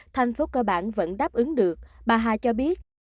thành phố cơ bản vẫn đáp ứng được bà hà cho biết